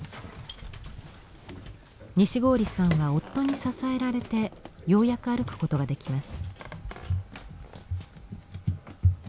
西郡さんは夫に支えられてようやく歩くことができます。